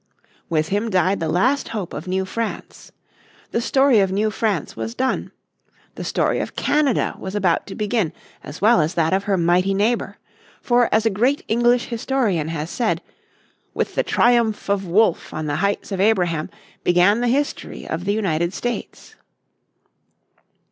With him died the last hope of New France. The story of New France was done. The Story of Canada was about to begin as well as that of her mighty neighbour. For as a great English historian has said, "With the triumph of Wolfe on the Heights of Abraham began the history of the United States."